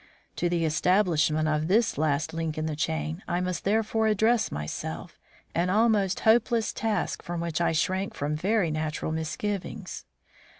To the establishment of this last link in the chain, I must therefore address myself; an almost hopeless task, from which I shrank with very natural misgivings.